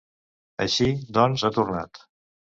Així, doncs, ha tornat!